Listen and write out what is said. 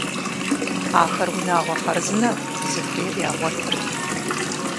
Ахэр унагъуэ хъарзынэт, захуейр ягъуэтырт.